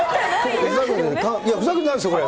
ふざけてないですよ、これ。